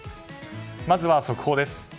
まずは速報です。